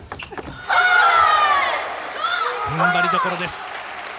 踏ん張りどころです。